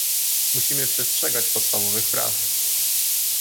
Musimy przestrzegać podstawowych praw